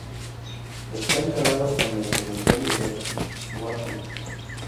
Está enterrado en el cementerio de Oakwood.